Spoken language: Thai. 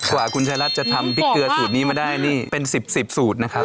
พระคุณชายรักษ์จะทำลิปเปลี่ยนพริกเกลือนี้มาได้เป็น๑๐สูตรนะครับ